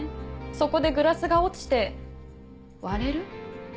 そこでグラスが落ちて割れる？